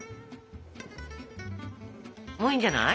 もういいんじゃない？